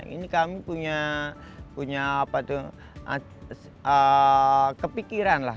ini kami punya kepikiran lah